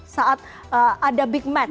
saat ada big match